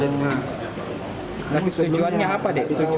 tapi tujuannya apa